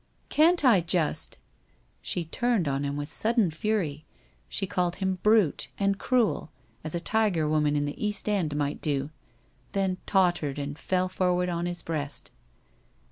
'Can't I, just?' She turned on him with sudden fury, she called him brute and cruel, as a tiger woman in the East End might do, then tottered and fell forward on his breast.